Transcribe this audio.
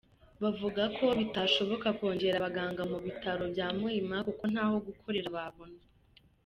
Bavuga ko bitashoboka kongera abaganga mu bitaro bya Muhima kuko ntaho gukorera babona.